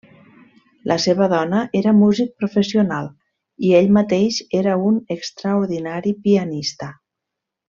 La seva dona era músic professional i ell mateix era un extraordinari pianista.